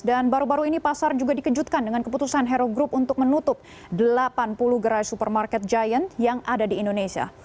dan baru baru ini pasar juga dikejutkan dengan keputusan hero group untuk menutup delapan puluh gerai supermarket giant yang ada di indonesia